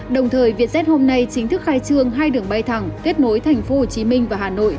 đồng thời việt z hôm nay chính thức khai trương hai đường bay thẳng kết nối thành phố hồ chí minh và hà nội